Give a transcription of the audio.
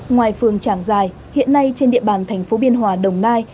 ngoài phường trảng giài hiện nay trên địa bàn thành phố biên hòa đồng nai